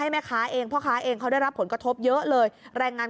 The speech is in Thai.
แม่ค้าเองพ่อค้าเองเขาได้รับผลกระทบเยอะเลยแรงงาน